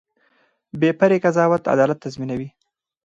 بې پرې قضا عدالت تضمینوي